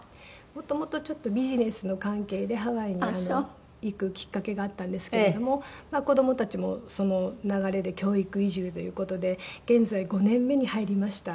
元々ちょっとビジネスの関係でハワイに行くきっかけがあったんですけれども子供たちもその流れで教育移住という事で現在５年目に入りました。